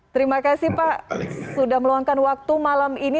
terima kasih pak sudah meluangkan waktu malam ini